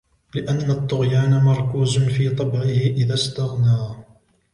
لِأَنَّ الطُّغْيَانَ مَرْكُوزٌ فِي طَبْعِهِ إذَا اسْتَغْنَى